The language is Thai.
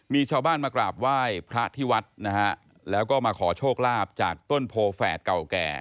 มีชาวบ้านมากราบไหว้พระที่วัดนะฮะแล้วก็มาขอโชคลาภจากต้นโพแฝดเก่าแก่